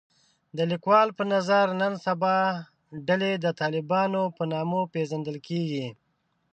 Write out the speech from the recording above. د لیکوال په نظر نن سبا ډلې د طالبانو په نامه پېژندل کېږي